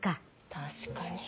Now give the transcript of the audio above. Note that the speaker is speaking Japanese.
確かに。